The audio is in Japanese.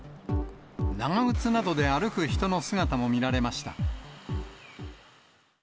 長靴などで歩く人の姿も見られました。